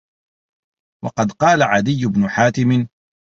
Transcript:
وَقَدْ قَالَ عَدِيُّ بْنُ حَاتِمٍ